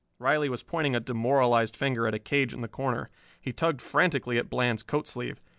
Riley was pointing a demoralized finger at a cage in the corner. He tugged frantically at Bland's coat sleeve.